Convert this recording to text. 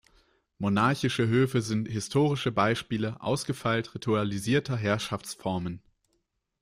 Monarchische Höfe sind historische Beispiele ausgefeilt ritualisierter Herrschaftsformen.